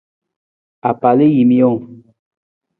Apalajiimijang.